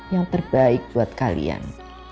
yang terbaik buat kalian